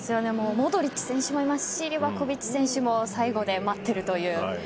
モドリッチ選手もいますしリヴァコヴィッチ選手も最後で待ってるという。